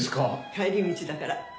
帰り道だから。